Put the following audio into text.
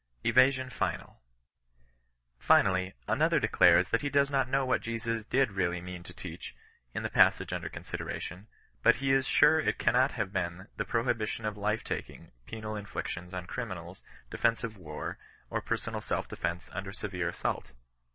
EVASION FINAL. Finally, another declares that he does not know what Jesus did reaUy mean to teach, in the passage under consideration ; out he is sure it cannot have been the prohibition of life taking, penal inflictions on criminals, defensive war, or personal self defence under severe as sault.